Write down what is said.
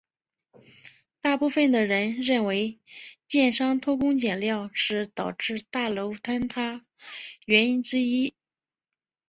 大部分的人认为建商偷工减料是导致大楼坍塌原因之一。